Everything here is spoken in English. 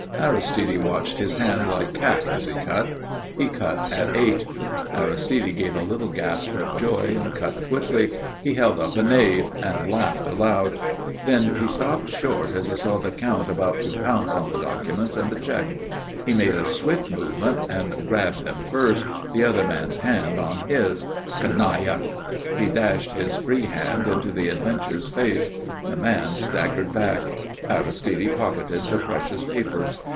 Aristide watched his hand like cat, as he cut. He cut an eight. Aristide gave a little gasp of joy and cut quickly. He held up a Knave and laughed aloud. Then he stopped short as he saw the Count about to pounce on the documents and the cheque. He made a swift movement and grabbed them first, the other man's hand on his. "Canaille!" He dashed his free hand into the adventurer's face. The man staggered back. Aristide pocketed the precious papers.